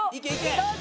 どうぞ！